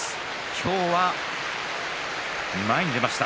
今日は前に出ました。